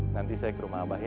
nanti saya ke rumah abah ya